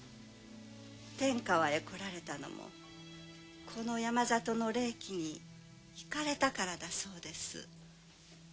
天川へ来られたのもこの山里の霊気に引かれたからだそうです。